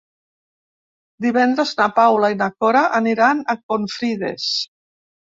Divendres na Paula i na Cora aniran a Confrides.